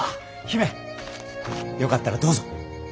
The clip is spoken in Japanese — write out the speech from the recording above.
姫よかったらどうぞ。